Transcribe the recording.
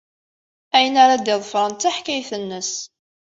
Ayen ara d-iḍefren d taḥkayt-nnes.